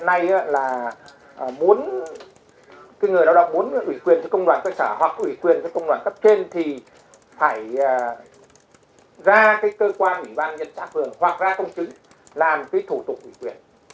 hiện nay là muốn cái người nào đó muốn quý quyền cho công đoàn cơ sở hoặc quý quyền cho công đoàn cấp trên thì phải ra cái cơ quan ủy ban nhân sạc hưởng hoặc ra công chứng làm cái thủ tục quý quyền